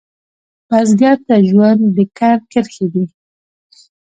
بزګر ته ژوند د کر کرښې دي